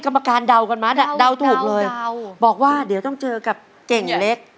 กรรมการเดากันมาเดาถูกเลยเดาเดาเดาบอกว่าเดี๋ยวต้องเจอกับเก่งเล็ก